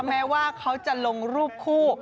แม้ว่าเขาจะลงรูปคู่